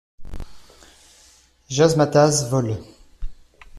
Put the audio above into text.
Jazzmatazz Vol.